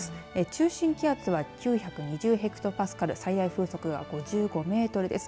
中心気圧が９２０ヘクトパスカル最大風速が５５メートルです。